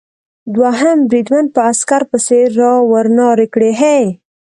دوهم بریدمن په عسکر پسې را و نارې کړې: هې!